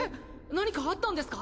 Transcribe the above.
何かあったんですか？